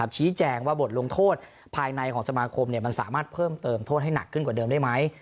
ชี้แจงว่าบทลงโทษภายในของสมาคมมันสามารถเพิ่มเติมโทษให้หนักขึ้นกว่าเดิมได้ไหม